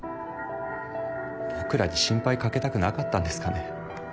僕らに心配かけたくなかったんですかね。